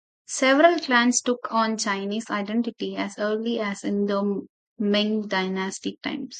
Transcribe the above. Several clans took on Chinese identity as early as in the Ming dynasty times.